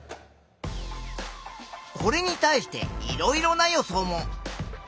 これに対していろいろな予想も。